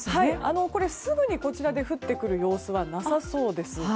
すぐにこちらで降ってくる様子はなさそうです。